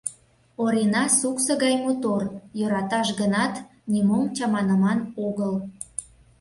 Орина суксо гай мотор, йӧраташ гынат, нимом чаманыман огыл...